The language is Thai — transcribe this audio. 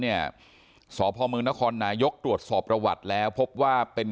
เนี่ยสพมนครนายกตรวจสอบประวัติแล้วพบว่าเป็น